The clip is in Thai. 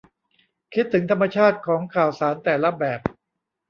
คิดถึงธรรมชาติของข่าวสารแต่ละแบบ